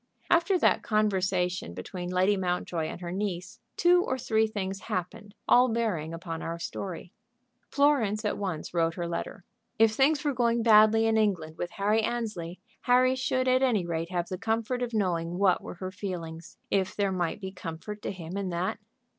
After that conversation between Lady Mountjoy and her niece two or three things happened, all bearing upon our story. Florence at once wrote her letter. If things were going badly in England with Harry Annesley, Harry should at any rate have the comfort of knowing what were her feelings, if there might be comfort to him in that.